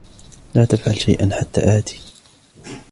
لا تفعل شيئا حتى آتي.